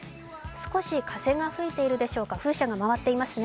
少し風が吹いているでしょうか、風車が回っていますね。